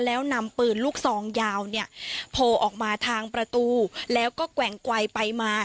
แล้วนำปืนลูกซองยาวเนี่ยโผล่ออกมาทางประตูแล้วก็แกว่งไกลไปมา